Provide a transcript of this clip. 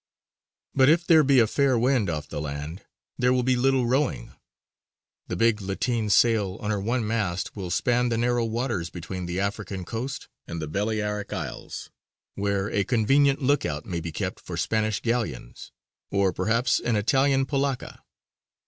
But if there be a fair wind off the land, there will be little rowing; the big lateen sail on her one mast will span the narrow waters between the African coast and the Balearic Isles, where a convenient look out may be kept for Spanish galleons or perhaps an Italian polacca.